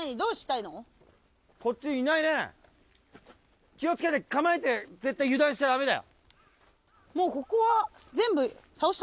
こっちいないぞ、気をつけてね、構えて、絶対、油断しちゃ駄目だよ。